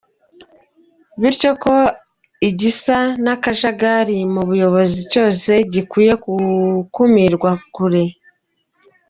Bityo ko igisa n’akajagari mu buyobozi cyose gikwiye gukumirirwa kure.